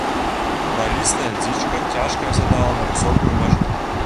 Ралістая дзічка цяжка асядала на высокую мяжу.